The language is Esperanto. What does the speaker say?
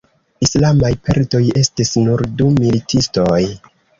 Islamaj perdoj estis nur du militistoj.